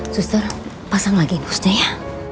suster pasang lagi busnya ya